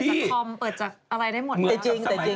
เปิดจากคอมเปิดจากอะไรได้หมดเหรอ